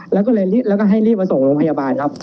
แล้วก็เรียกแล้วก็ให้รีบประสงค์ผญาบาลครับ